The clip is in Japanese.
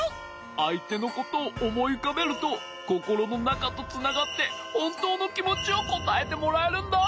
あいてのことをおもいうかべるとココロのなかとつながってほんとうのきもちをこたえてもらえるんだ。